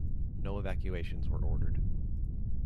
No evacuations were ordered.